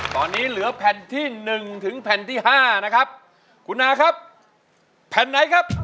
ตอนนี้เหลือแผ่นที่หนึ่งถึงแผ่นที่ห้านะครับคุณอาครับแผ่นไหนครับ